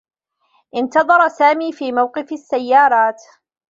انتظر سامي في موقف السّيّارات.